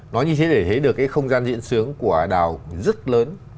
nó như thế để thấy được cái không gian diễn sướng của ả đào rất lớn